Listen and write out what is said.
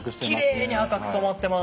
キレイに赤く染まってます。